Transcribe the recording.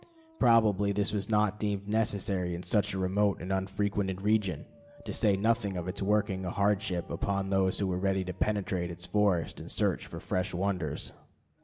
Probably this was not deemed necessary in such a remote and unfrequented region, to say nothing of its working a hardship upon those who were ready to penetrate its forests and search for fresh wonders.